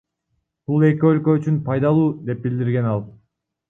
Бул эки өлкө үчүн пайдалуу, — деп билдирген ал.